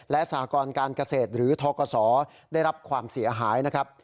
และสหกรการเกษตรหรือทกศได้รับความเสียหายนะครับ